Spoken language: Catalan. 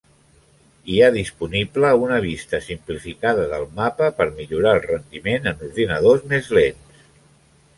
Hi ha disponible una vista simplificada del mapa per millorar el rendiment en ordinadors més lents.